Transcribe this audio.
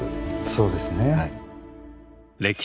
そうですね。